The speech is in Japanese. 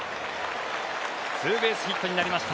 ツーベースヒットになりました。